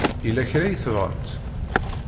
Yella kra i tebɣamt?